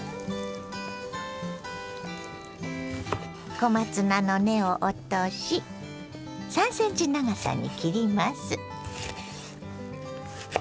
小松菜の根を落とし３ｃｍ長さに切ります。